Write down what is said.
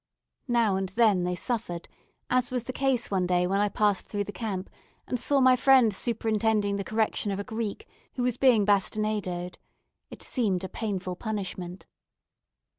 Now and then they suffered, as was the case one day when I passed through the camp and saw my friend superintending the correction of a Greek who was being bastinadoed. It seemed a painful punishment.